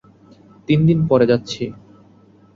তিনদিন পরে যাচ্ছি।